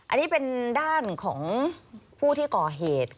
อันนี้เป็นด้านของผู้ที่ก่อเหตุ